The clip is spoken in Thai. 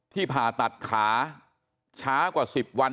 ผ่าตัดขาช้ากว่า๑๐วัน